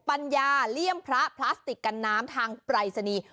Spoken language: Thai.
ปัญญาเลี่ยมพระพลาสติกกันน้ำทางปรายศนีย์